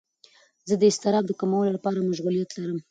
زه د اضطراب د کمولو لپاره مشغولیت لرم.